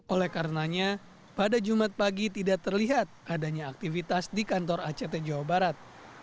oleh karenanya pada jumat pagi tidak terlihat adanya aktivitas di kantor act jawa barat